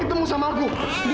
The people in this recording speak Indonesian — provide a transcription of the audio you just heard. tolong buka pintu indi